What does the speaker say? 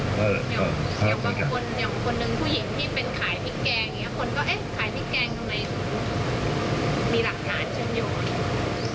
อย่างคนหนึ่งผู้หญิงที่เป็นขายพริกแกงคนก็เอ๊ะขายพริกแกงตรงไหนมีหลักฐานอยู่